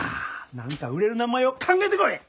何か売れる名前を考えてこい！